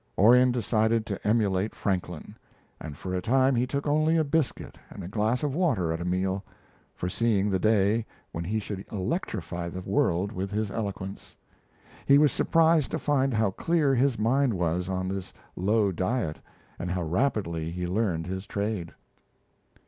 Orion decided to emulate Franklin, and for a time he took only a biscuit and a glass of water at a meal, foreseeing the day when he should electrify the world with his eloquence. He was surprised to find how clear his mind was on this low diet and how rapidly he learned his trade.